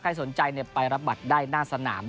สนใจไปรับบัตรได้หน้าสนาม